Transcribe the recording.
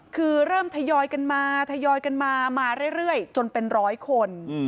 คือเริ่มทยอยกันมาทยอยกันมามาเรื่อยจนเป็นร้อยคน